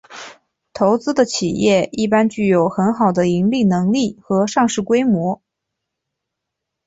投资的企业一般具有很好的盈利能力和上市规模。